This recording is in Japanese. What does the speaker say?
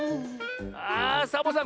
あっサボさん